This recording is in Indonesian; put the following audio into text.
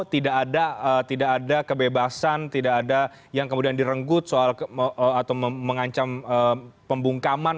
tidak ada kebebasan tidak ada yang kemudian direnggut soal atau mengancam pembungkaman